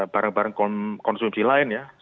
barang barang konsumsi lain ya